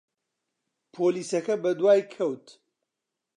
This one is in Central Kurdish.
پۆلیسەکە بەدوای کەوت.